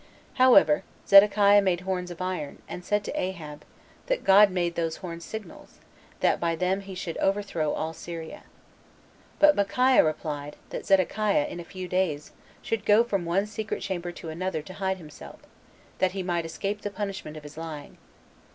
However, Zedekiah made horns of iron, and said to Ahab, that God made those horns signals, that by them he should overthrow all Syria. But Micaiah replied, that Zedekiah, in a few days, should go from one secret chamber to another to hide himself, that he might escape the punishment of his lying.